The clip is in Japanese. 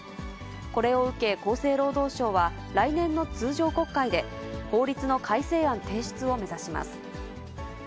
これを受け、厚生労働省は来年の通常国会で、法律の改正案提出を目指します。